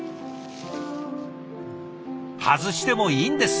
外してもいいんです。